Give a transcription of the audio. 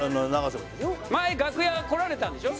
前楽屋来られたんでしょ？